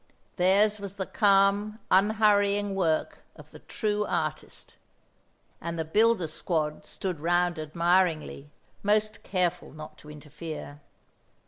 theirs was the calm un hurrying work of the true artist; and the builder's squad stood round admiringly, most careful not to interfere.